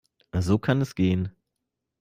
So kann es gehen.